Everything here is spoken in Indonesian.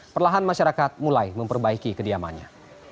perlahan masyarakat mulai memperbaiki kediamannya